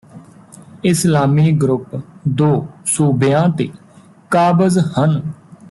ਇਸਲਾਮੀ ਗਰੁੱਪ ਦੋ ਸੂਬਿਆਂ ਤੇ ਕਾਬਜ ਹਨ